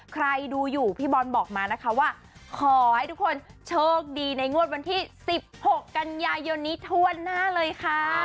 ใครดูอยู่พี่บอลบอกมานะคะว่าขอให้ทุกคนโชคดีในงวดวันที่๑๖กันยายนนี้ทั่วหน้าเลยค่ะ